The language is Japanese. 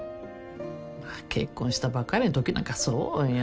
結婚したばっかりのときなんかそうよ。